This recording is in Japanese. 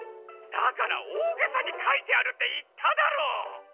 だからおおげさにかいてあるっていっただろう！